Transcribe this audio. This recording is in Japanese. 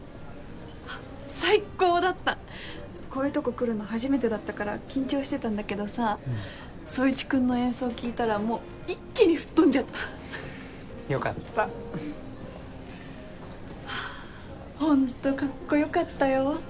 あっ最っ高だったこういうとこ来るの初めてだったから緊張してたんだけどさ宗一君の演奏聴いたらもう一気に吹っ飛んじゃったよかったホントカッコよかったよ